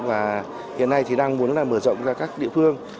và hiện nay thì đang muốn là mở rộng ra các địa phương